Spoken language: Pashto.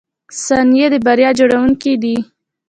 • ثانیې د بریا جوړونکي دي.